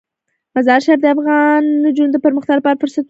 مزارشریف د افغان نجونو د پرمختګ لپاره فرصتونه برابروي.